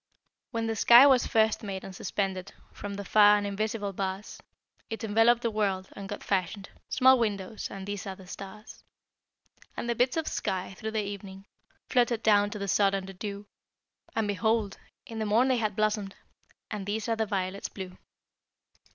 When the sky was first made and suspended From the far and invisible bars, It enveloped the world, and God fashioned Small windows, and these are the stars. And the bits of the sky, through the evening, Fluttered down to the sod and the dew, And behold! in the morn they had blossomed, And these are the violets blue.